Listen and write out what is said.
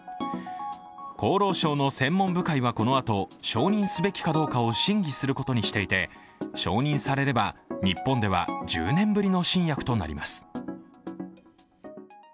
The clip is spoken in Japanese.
厚労省の専門部会はこのあと、承認すべきどうかを審議することにしていて、承認されれば、日本では１０年ぶりの新薬となります。